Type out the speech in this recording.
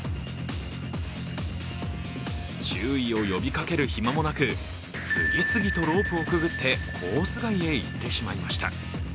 注意を呼びかける暇もなく次々とロープをくぐってコース外へ行ってしまいました。